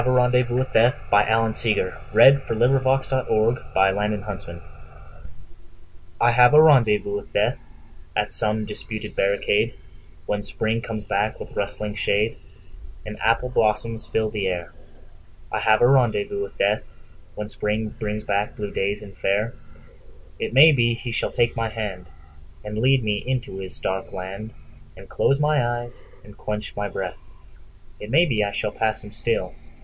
Modern American Poetry. 1919. Alan Seeger1888–1916 "I Have a Rendezvous with Death" I HAVE a rendezvous with DeathAt some disputed barricade, When Spring comes back with rustling shadeAnd apple blossoms fill the air—I have a rendezvous with DeathWhen Spring brings back blue days and fair.It may be he shall take my handAnd lead me into his dark landAnd close my eyes and quench my breath—It may be I shall pass him still.